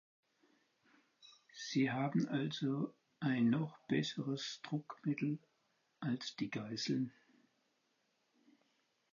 Sie haben also ein noch besseres Druckmittel als die Geiseln.